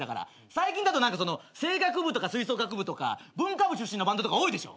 最近だと声楽部とか吹奏楽部とか文化部出身のバンドとか多いでしょ。